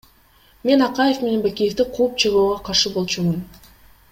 Мен Акаев менен Бакиевди кууп чыгууга каршы болчумун.